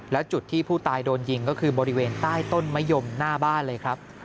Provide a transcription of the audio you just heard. แล้วจุดที่ผู้ตายโดนยิงก็คือบริเวณใต้ต้นมะยมหน้าบ้านเลยครับ